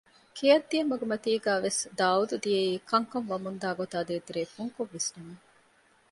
ގެއަށް ދިޔަ މަގުމަތީގައިވެސް ދާއޫދު ދިޔައީ ކަންކަން ވަމުންދާ ގޮތާ ދޭތެރޭ ފުންކޮށް ވިސްނަމުން